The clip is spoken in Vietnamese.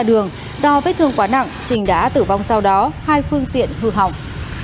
do vết thương quá nặng trình đã tử vong sau đó hai phương tiện vừa hỏng